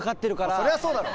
そりゃそうだろう。